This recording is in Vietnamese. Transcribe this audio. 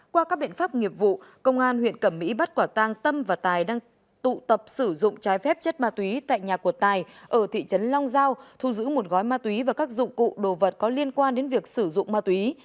qua các biện pháp nghiệp vụ công an huyện cẩm mỹ bắt quả tang tâm và tài đang tụ tập sử dụng trái phép chất ma túy tại nhà của tài ở thị trấn long giao thu giữ một gói ma túy và các dụng cụ đồ vật có liên quan đến việc sử dụng ma túy